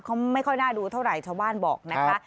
เขาไม่ค่อยน่าดูเท่าไหร่ชาวบ้านบอกนะคะ